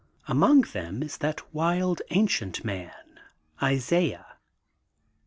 Among them is that wild ancient man Isaiah.